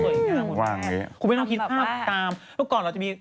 นี่ว่าอย่างนี้คุณแม่คุณแม่ต้องคิดภาพตามแล้วก่อนเราจะมี